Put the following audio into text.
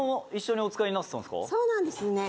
「そうなんですよね」